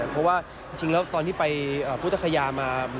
เพราะว่าจริงแล้วตอนที่ไปพุทธคยามา